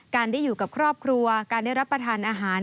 ได้อยู่กับครอบครัวการได้รับประทานอาหาร